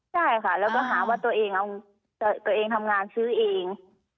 ใช่ค่ะและก็หาว่าตัวเองทำงานซื้อเอง